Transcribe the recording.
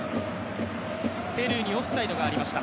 ペルーにオフサイドがありました。